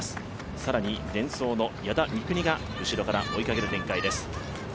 更にデンソーの矢田みくにが後ろから追いかける展開です。